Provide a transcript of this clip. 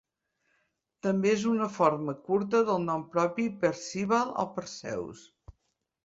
També és una forma curta del nom propi Percival o Perseus.